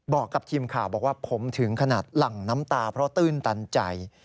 บอกกับทีมข่าวบอกว่าผมถึงขนาดหลั่งน้ำตาเพราะตื้นตันใจ